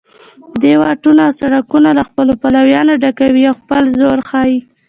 دوی واټونه او سړکونه له خپلو پلویانو ډکوي او خپل زور ښیي